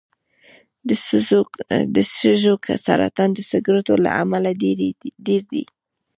د سږو سرطان د سګرټو له امله ډېر دی.